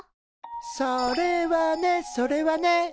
それはねそれはね。